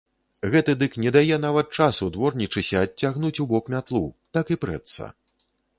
Гэты дык не дае нават часу дворнічысе адцягнуць убок мятлу, так і прэцца.